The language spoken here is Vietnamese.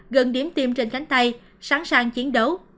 gần điểm tiêm trên cánh tay sẵn sàng chiến đấu